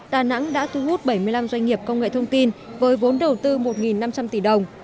đà nẵng đã thu hút bảy mươi năm doanh nghiệp công nghệ thông tin với vốn đầu tư một năm trăm linh tỷ đồng